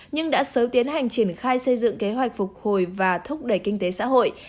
nhưng đã sớm tiến hành triển khai xây dựng kế hoạch phục hồi và thúc đẩy kinh tế xã hội